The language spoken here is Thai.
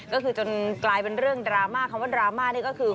ก็คือจนกลายเป็นเรื่องดราม่าคำว่าดราม่านี่ก็คือ